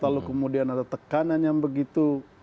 lalu kemudian ada tekanan yang begitu